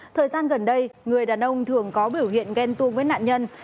thời gian gần đây người đàn ông thường có biểu hiện ghen tu với nạn nhân